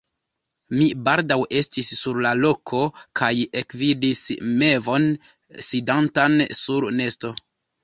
Mi baldaŭ estis sur la loko, kaj ekvidis mevon sidantan sur nesto.